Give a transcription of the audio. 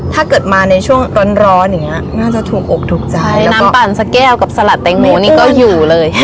ถ้าเกิดมาในช่วงร้อนร้อนอย่างเงี้ยน่าจะถูกอกถูกใจน้ำปั่นสะแก้วกับสลัดแตงโมนี่ก็อยู่เลย